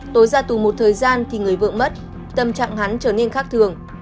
tối ra tù một thời gian thì người vợ mất tâm trạng hắn trở nên khác thường